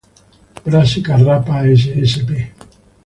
Brassica rapa ssp.